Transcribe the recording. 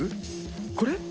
これ？